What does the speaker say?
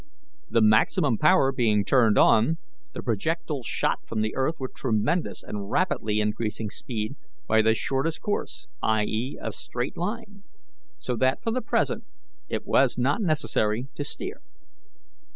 The maximum power being turned on, the projectile shot from the earth with tremendous and rapidly increasing speed, by the shortest course i. e., a straight line so that for the present it was not necessary to steer.